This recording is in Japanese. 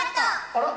あら？